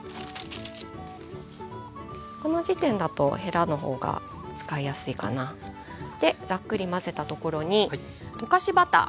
この時点だとへらの方が使いやすいかな。でザックリ混ぜたところに溶かしバター。